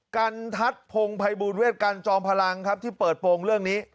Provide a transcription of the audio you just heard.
กันทัศน์พงภัยบูลเวทกันจอมพลังครับที่เปิดโปรงเรื่องนี้